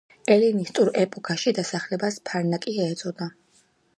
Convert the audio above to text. ელინისტურ ეპოქაში დასახლებას ფარნაკია ეწოდა.